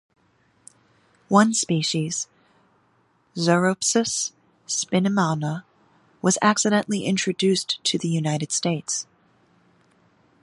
One species, "Zoropsis spinimana", was accidentally introduced to the United States.